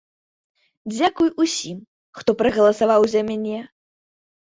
Дзякуй усім, хто прагаласаваў за мяне.